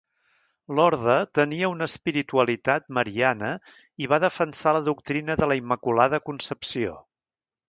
L'orde tenia una espiritualitat mariana i va defensar la doctrina de la Immaculada Concepció.